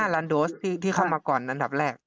๕ล้านโดสที่เข้ามาก่อนอันดับแรก